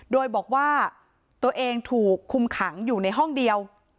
โดยบอกว่าตัวเองถูกคุมขังอยู่ในห้องเดียว